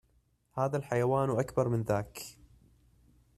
.هذا الحيوان أكبر من ذاك